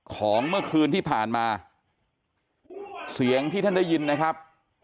ของเมื่อคืนที่ผ่านมาเสียงที่ท่านได้ยินนะครับ